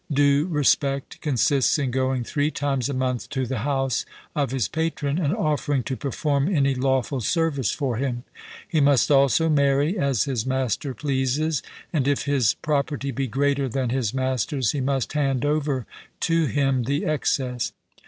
Due respect consists in going three times a month to the house of his patron, and offering to perform any lawful service for him; he must also marry as his master pleases; and if his property be greater than his master's, he must hand over to him the excess.